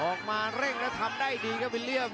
ออกมาเร่งแล้วทำได้ดีครับวิลเลี่ยม